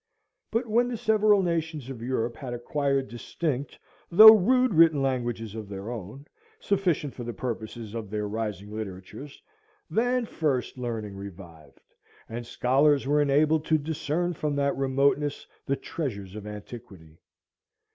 But when the several nations of Europe had acquired distinct though rude written languages of their own, sufficient for the purposes of their rising literatures, then first learning revived, and scholars were enabled to discern from that remoteness the treasures of antiquity.